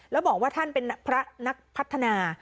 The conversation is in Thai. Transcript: แล้วบอกว่าท่านเป็นพระนักพัฒนา